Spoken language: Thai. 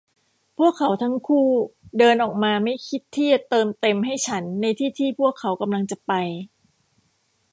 พวกเขาทั้งคู่เดินออกมาไม่คิดที่จะเติมเต็มให้ฉันในที่ที่พวกเขากำลังจะไป